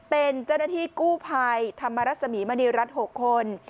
เป็นเจ้าหน้าที่กู้ภัยธรรมรสมีมณีรัฐ๖คน